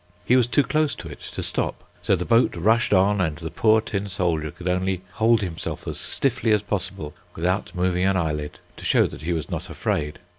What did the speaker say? He was too close to it to stop, so the boat rushed on, and the poor tin soldier could only hold himself as stiffly as possible, without moving an eyelid, to show that he was not afraid.